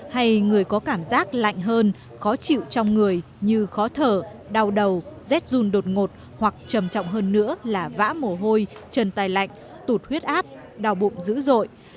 hay người có cảm giác lạnh hơn khó chịu trong người như khó thở đau đầu rét run đột ngột hoặc trầm trọng hơn nữa là vã mồ hôi trần tài lạnh tụt huyết áp đau bụng dữ dội